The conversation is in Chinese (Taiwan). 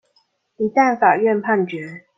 一旦法院判決